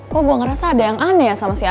kok gue ngerasa ada yang aneh ya sama si anak